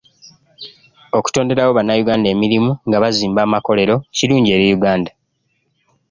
Okutonderawo bannayuganda emirimu nga bazimba amakolero kirungi eri Uganda.